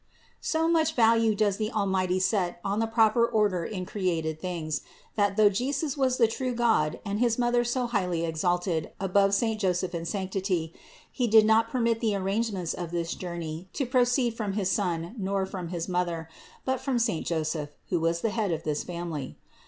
So much value does the Almighty set on the proper order in created things, that, though Jesus was the true God and his Mother so highly exalted above saint Joseph in sanctity, He did not permit the arrangements of this journey to proceed from his Son nor from his Mother, but from saint Joseph, who was the head of this Family.